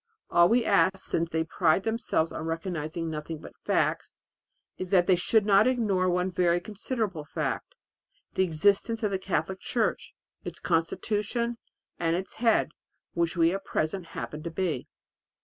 All we ask, since they pride themselves on recognizing nothing but facts, is that they should not ignore one very considerable fact the existence of the Catholic Church, its constitution, and its head, which we at present happen to be."